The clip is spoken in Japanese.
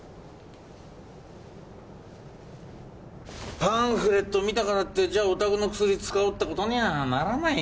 パンフレット見たからってじゃあお宅の薬使おうって事にはならないよ。